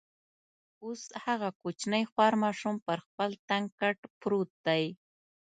اوس هغه کوچنی خوار ماشوم پر خپل تنګ کټ پروت دی.